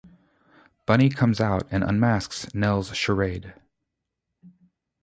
Bunny comes out and unmasks Nell's charade.